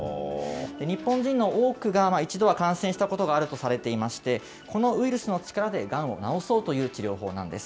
日本人の多くが、一度は感染したことがあるとされていまして、このウイルスの力でがんを治そうという治療法なんです。